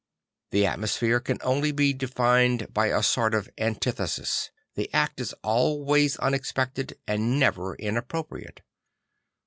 The atmosphere can only be defined by a sort of antithesis; the act is always unexpected and never inappropriate.